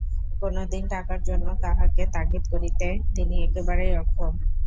কোনোদিন টাকার জন্য কাহাকেও তাগিদ করিতে তিনি একেবারেই অক্ষম।